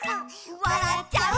「わらっちゃう」